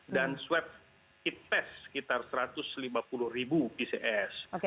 dan swap kit pes sekitar satu ratus lima puluh ribu pcs